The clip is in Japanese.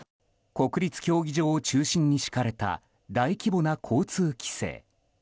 国立競技場を中心に敷かれた大規模な交通規制。